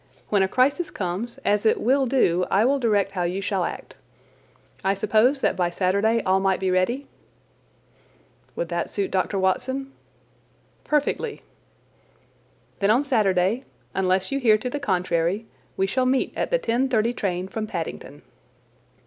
"When a crisis comes, as it will do, I will direct how you shall act. I suppose that by Saturday all might be ready?" "Would that suit Dr. Watson?" "Perfectly." "Then on Saturday, unless you hear to the contrary, we shall meet at the ten thirty train from Paddington."